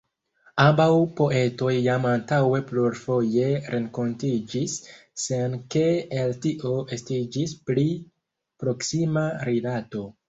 Ambaŭ poetoj jam antaŭe plurfoje renkontiĝis, sen ke el tio estiĝis pli proksima rilato.